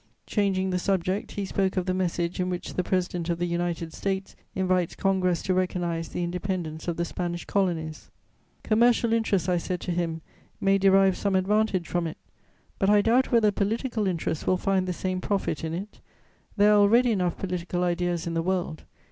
Changing the subject, he spoke of the message in which the President of the United States invites Congress to recognise the independence of the Spanish Colonies: "'Commercial interests,' I said to him, 'may derive some advantage from it, but I doubt whether political interests will find the same profit in it; there are already enough political ideas in the world.